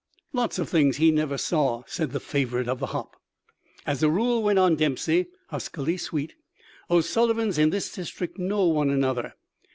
"Lots of things he never saw," said the favourite of the hop. "As a rule," went on Dempsey, huskily sweet, "O'Sullivans in this district know one another.